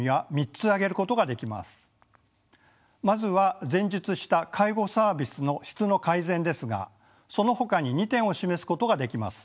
まずは前述した介護サービスの質の改善ですがそのほかに２点を示すことができます。